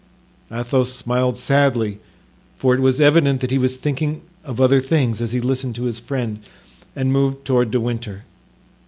Athos smiled sadly, for it was evident that he was thinking of other things as he listened to his friend and moved toward De Winter.